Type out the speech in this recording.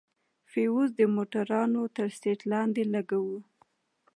فيوز د موټروان تر سيټ لاندې لگوو.